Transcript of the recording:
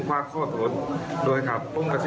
ครับขอโทษครับ